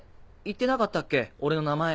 言ってなかったっけ俺の名前。